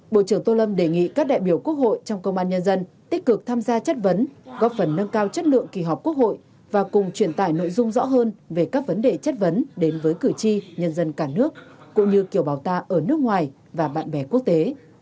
bộ trưởng tô lâm đề nghị các đại biểu quốc hội trong công an nhân dân tích cực tham gia chất vấn góp phần nâng cao chất lượng kỳ họp quốc hội và cùng truyền tải nội dung rõ hơn về các vấn đề chất vấn đến với cử tri nhân dân cả nước cũng như kiểu bào ta ở nước ngoài và bạn bè quốc tế